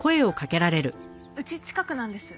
うち近くなんです。